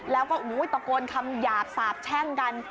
แล้วก็ตะโกนคำหยาบสาบแช่งกัน